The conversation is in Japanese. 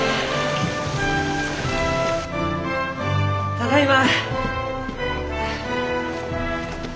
ただいま！